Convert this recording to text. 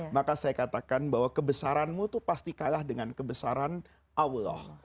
maka saya katakan bahwa kebesaranmu itu pasti kalah dengan kebesaran allah